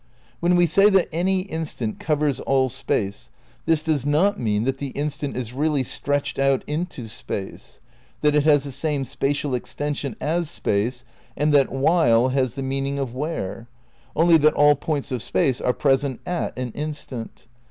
When we say that any instant covers all space, this does not mean that the instant is really stretched out into Space, that it has the same spatial extension as space and that "while" has the meaning of "where," only that all points of Space are present at an instant.